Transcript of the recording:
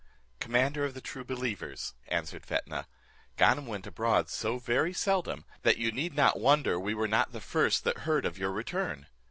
"Commander of the true believers," answered Fetnah, "Ganem went abroad so very seldom, that you need not wonder we were not the first that heard of your return.